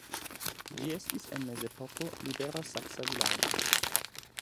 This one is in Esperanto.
Ĝi estis en mezepoko libera saksa vilaĝo.